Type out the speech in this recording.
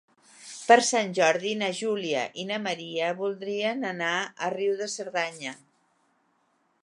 Per Sant Jordi na Júlia i na Maria voldrien anar a Riu de Cerdanya.